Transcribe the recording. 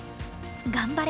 頑張れ！